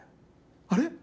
あれ？